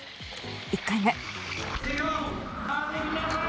１回目。